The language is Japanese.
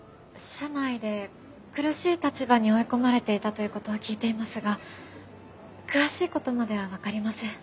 社内で苦しい立場に追い込まれていたという事は聞いていますが詳しい事まではわかりません。